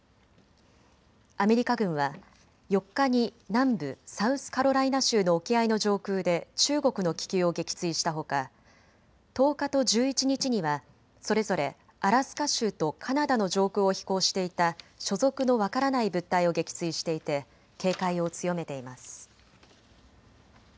アメリカ軍は４日に南部サウスカロライナ州の沖合の上空で中国の気球を撃墜したほか１０日と１１日にはそれぞれアラスカ州とカナダの上空を飛行していた所属の分からない物体を撃墜していて警戒を強めています。